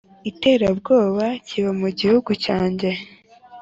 iterabwoba kiba mu guhugu cyanjye.